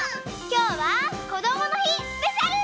きょうはこどものひスペシャル！